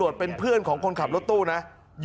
สวัสดีครับคุณผู้ชาย